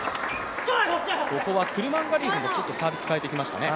ここはクルマンガリエフもちょっとサービス変えてきましたね。